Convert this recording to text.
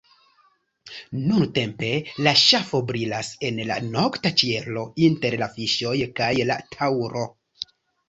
Nuntempe la ŝafo brilas en la nokta ĉielo inter la Fiŝoj kaj la Taŭro.